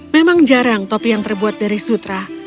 memang jarang topi yang terbuat dari sutra